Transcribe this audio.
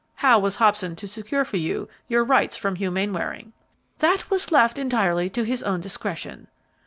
"How was Hobson to secure for you your rights from Hugh Mainwaring?" "That was left entirely to his own discretion."